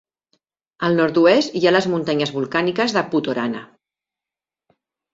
Al nord-oest hi ha les muntanyes volcàniques de Putorana.